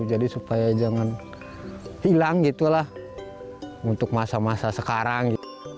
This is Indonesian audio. jadi supaya jangan hilang gitu lah untuk masa masa sekarang